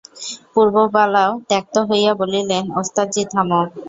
পুরবালাও ত্যক্ত হইয়া বলিলেন, ওস্তাদজি, থামো!